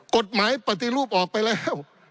กฎหมายปฏิรูปออกไปแล้ว